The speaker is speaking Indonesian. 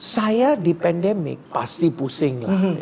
saya di pandemic pasti pusing lah